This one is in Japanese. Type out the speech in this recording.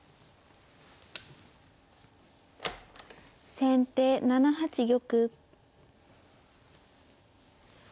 先手７八玉。